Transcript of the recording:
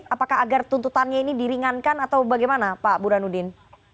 apakah agar tuntutannya ini diringankan atau bagaimana pak burhanuddin